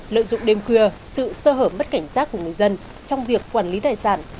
lợi dụng đêm khuya sự sơ hở bất cảnh sát của người dân trong việc quản lý tài sản